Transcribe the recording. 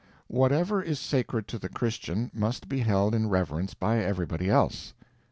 Whatever is sacred to the Christian must be held in reverence by everybody else; 2.